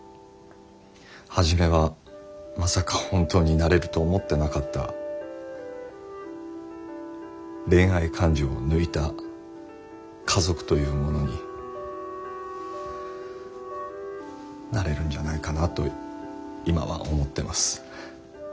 初めはまさか本当になれると思ってなかった恋愛感情を抜いた家族というものになれるんじゃないかなと今は思ってます。